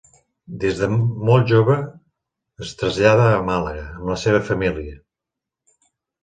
Des de molt jove es trasllada a Màlaga amb la seva família.